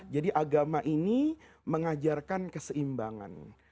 agama ini mengajarkan keseimbangan